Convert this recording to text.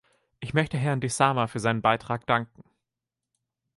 Ich möchte Herrn Desama für seinen Beitrag danken.